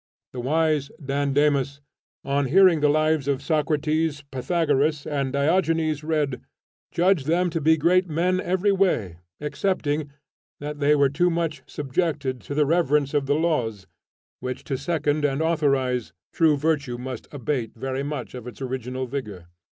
The wise Dandamis, on hearing the lives of Socrates, Pythagoras and Diogenes read, "judged them to be great men every way, excepting, that they were too much subjected to the reverence of the laws, which to second and authorize, true virtue must abate very much of its original vigor."